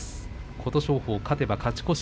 琴勝峰、勝てば勝ち越し。